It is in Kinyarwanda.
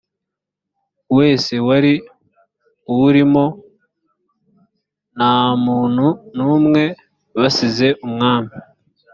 wese wari uwurimo nta muntu n umwe basize umwami